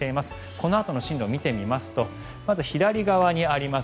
このあとの進路を見てみますとまず左側にあります